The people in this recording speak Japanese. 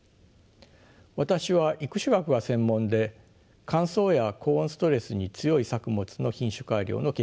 私は育種学が専門で乾燥や高温ストレスに強い作物の品種改良の研究をしています。